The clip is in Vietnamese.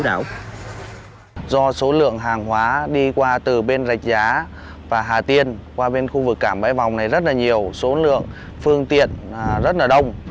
do số lượng hàng hóa đi qua từ bên lạch giá và hà tiên qua bên khu vực cảm bãi vòng rất nhiều số lượng phương tiện rất đông